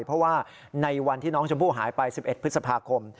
เพราะว่าในวันที่น้องชมพู่หายไป๑๑พฤษภาคม